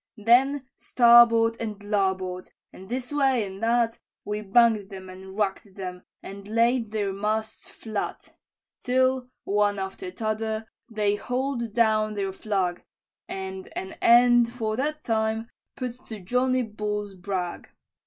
"Then starboard and larboard, and this way and that, We bang'd them and raked them, and laid their masts flat, Till, one after t'other, they haul'd down their flag, And an end, for that time, put to Johnny Bull's brag.